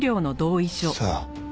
さあ。